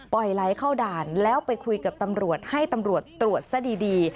ไหลเข้าด่านแล้วไปคุยกับตำรวจให้ตำรวจตรวจซะดี